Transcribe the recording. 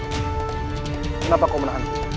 kenapa kau menahan